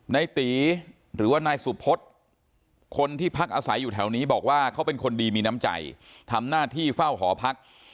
ในตีหรือว่านายสุพธคนที่พักอาศัยอยู่แถวนี้บอกว่าเขาเป็นคนดีมีน้ำใจทำหน้าที่เฝ้าหอพัก